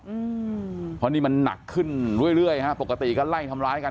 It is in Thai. อืมเพราะนี่มันหนักขึ้นเรื่อยเรื่อยฮะปกติก็ไล่ทำร้ายกัน